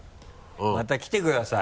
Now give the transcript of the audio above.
また来てください。